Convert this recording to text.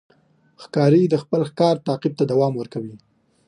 ښکاري د خپل ښکار تعقیب ته دوام ورکوي.